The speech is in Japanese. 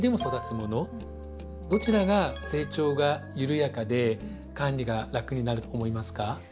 どちらが成長が緩やかで管理が楽になると思いますか？